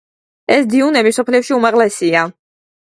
ეს დიუნები მსოფლიოში უმაღლესია.